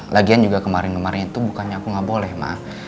lagian juga kemarin kemarin itu bukannya aku nggak boleh maaf